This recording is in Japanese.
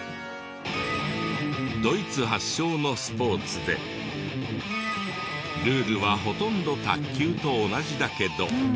ドイツ発祥のスポーツでルールはほとんど卓球と同じだけど。